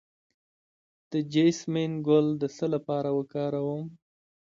د جیسمین ګل د څه لپاره وکاروم؟